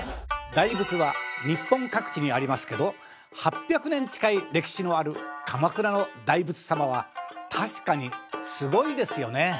大仏は日本各地にありますけど８００年近い歴史のある鎌倉の大仏様は確かにすごいですよね。